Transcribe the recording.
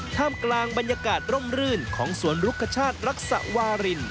ท่ามกลางบรรยากาศร่มรื่นของสวนรุกชาติรักษวาริน